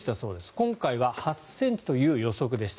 今回は８ｃｍという予測でした。